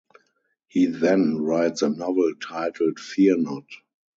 He then writes a novel titled "Fear Knot".